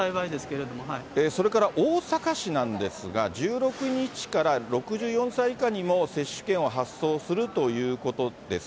それから大阪市なんですが、１６日から６４歳以下にも接種券を発送するということです。